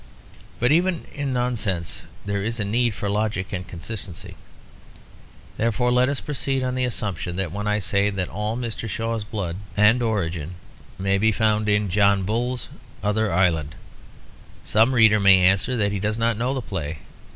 But even in nonsense there is a need for logic and consistency; therefore let us proceed on the assumption that when I say that all Mr. Shaw's blood and origin may be found in John Bull's Other Island, some reader may answer that he does not know the play.